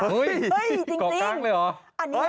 เฮ้ยจริงอันนี้ค่ะ